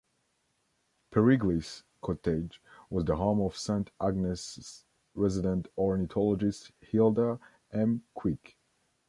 Periglis Cottage was the home of Saint Agnes's resident ornithologist Hilda M. Quick.